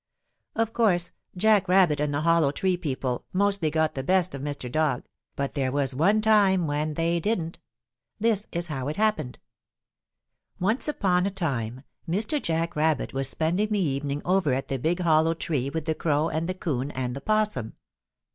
Of course Jack Rabbit and the Hollow Tree people mostly got the best of Mr. Dog, but there was one time when they didn't. This is how it happened. Once upon a time Mr. Jack Rabbit was spending the evening over at the big Hollow Tree with the Crow and the 'Coon and the 'Possum.